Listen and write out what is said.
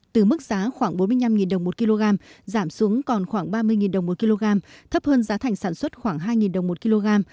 từ mức giá khoảng bốn mươi năm đồng một kg giảm xuống còn khoảng ba mươi đồng một kg thấp hơn giá thành sản xuất khoảng hai đồng một kg